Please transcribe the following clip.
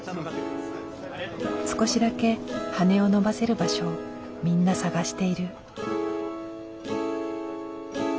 少しだけ羽を伸ばせる場所をみんな探している。